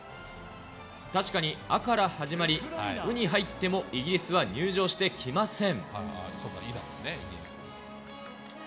確かに、あから始まり、うに入ってもイギリスは入場してきません。